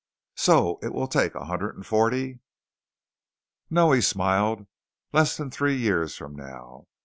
"So it will take a hundred and forty " "No," he smiled. "Less than three years from now.